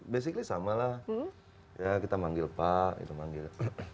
basically sama lah ya kita manggil pak itu manggil